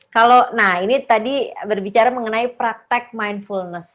kalau nah ini tadi berbicara mengenai praktek mindfulness